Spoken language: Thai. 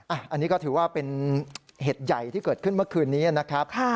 อันนี้ก็ถือว่าเป็นเหตุใหญ่ที่เกิดขึ้นเมื่อคืนนี้นะครับ